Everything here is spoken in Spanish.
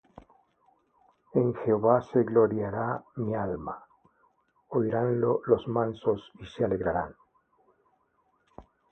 En Jehová se gloriará mi alma: Oiránlo los mansos, y se alegrarán.